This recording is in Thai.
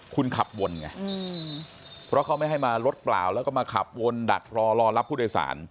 คุณขับวนไงเพราะเขาไม่ให้มารถเปล่าแล้วก็มาขับวนดักรอรอรับผู้โดยสาร